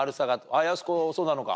やす子そうなのか？